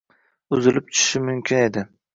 Uzilib tushishi mumkin edi.